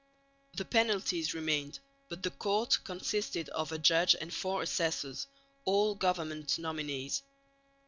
The penalties remained, but the court consisted of a judge and four assessors, all government nominees.